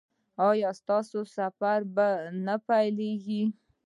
ایا ستاسو سفر به نه پیلیږي؟